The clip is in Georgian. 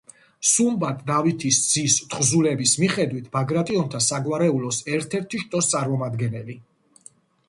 სუმბატ დავითის ძის თხზულების მიხედვით, ბაგრატიონთა საგვარეულოს ერთ-ერთი შტოს წარმომადგენელი.